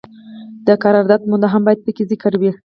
د قرارداد موده هم باید پکې ذکر وي.